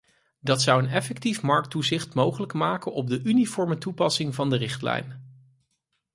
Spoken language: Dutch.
Dat zou een effectief markttoezicht mogelijk maken op de uniforme toepassing van de richtlijn.